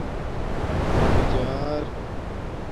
دَمیجآر